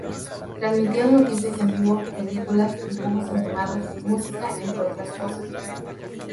Transmitían noticias en vivo, películas, dibujos animados, música, entre otras cosas.